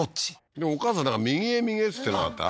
でもお母さんなんか右へ右へっつってなかった？